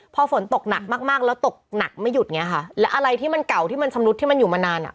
พอฝนตกหนักมากมากแล้วตกหนักไม่หยุดไงค่ะแล้วอะไรที่มันเก่าที่มันชำรุดที่มันอยู่มานานอ่ะ